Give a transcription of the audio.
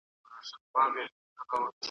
د پوهنې وزارت له خوا منظم نظارت نه کيده.